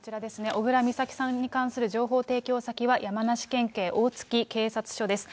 小倉美咲さんに関する情報提供先は、山梨県警大月警察署です。